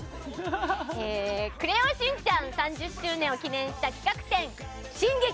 「クレヨンしんちゃん」３０周年を記念した企画展「しん劇！